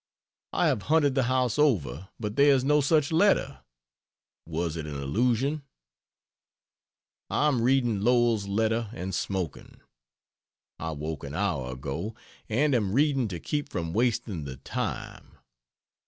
I have hunted the house over, but there is no such letter. Was it an illusion? I am reading Lowell's letter, and smoking. I woke an hour ago and am reading to keep from wasting the time.